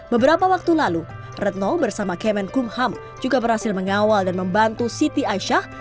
beberapa waktu lalu retno bersama kemenkumham juga berhasil mengawal dan membantu siti aisyah